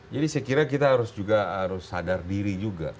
jadi saya kira kita harus juga sadar diri juga